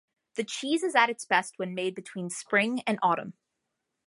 The cheese is at its best when made between spring and autumn.